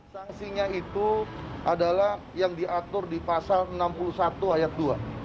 sanksinya itu adalah yang diatur di pasal enam puluh satu ayat dua